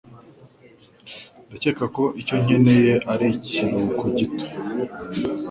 Ndakeka ko icyo nkeneye ari ikiruhuko gito.